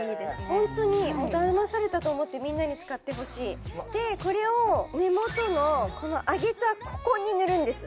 ホントにだまされたと思ってみんなに使ってほしいでこれを根元のこの上げたここに塗るんです